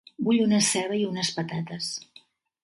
Vull una ceba i unes patates.